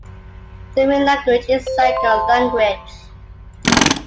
The main language is the Sangir language.